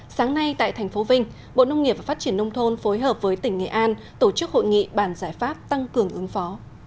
sáng nay tại thành phố vinh bộ nông nghiệp và phát triển nông thôn phối hợp với tỉnh nghệ an tổ chức hội nghị bàn giải pháp tăng cường ứng phó